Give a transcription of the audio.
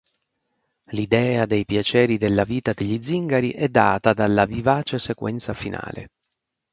L'idea dei piaceri della vita degli zingari è data dalla vivace sequenza finale.